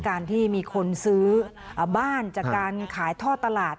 การที่มีคนซื้อบ้านจากการขายท่อตลาด